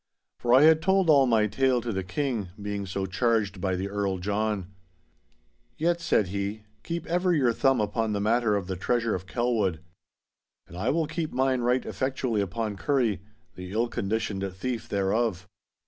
For I had told all my tale to the King, being so charged by the Earl John. 'Yet,' said he, 'keep ever your thumb upon the matter of the Treasure of Kelwood. And I will keep mine right effectually upon Currie, the ill conditioned thief thereof.